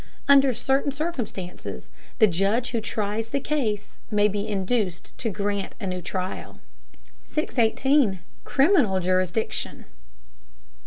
Under certain circumstances the judge who tries the case may be induced to grant a new trial. 618. CRIMINAL JURISDICTION.